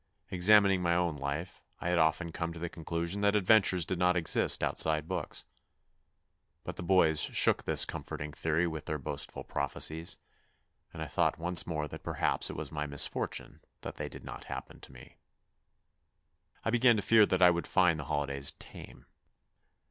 Examining my own life, I had often come to the conclusion that adventures did not exist outside books. But the boys shook this com forting theory with their boastful prophecies, and I thought once more that perhaps it was my misfortune that they did not happen to me. I began to fear that I would find the holidays tame.